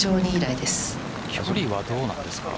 距離はどうなんですか。